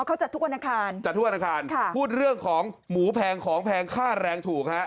เขาจัดทุกวันอาคารค่ะพูดเรื่องของหมูแพงของแพงค่าแรงถูก